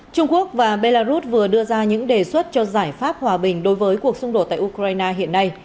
trung quốc và belarus vừa đưa ra những đề xuất cho giải pháp hòa bình đối với cuộc xung đột tại ukraine hiện nay